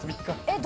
えっ？